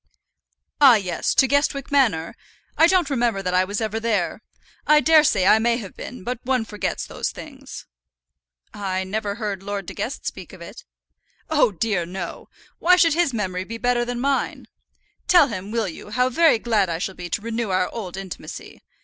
"Ah! yes; to Guestwick Manor? I don't remember that I was ever there. I daresay I may have been, but one forgets those things." "I never heard Lord De Guest speak of it." "Oh, dear, no. Why should his memory be better than mine? Tell him, will you, how very glad I shall be to renew our old intimacy.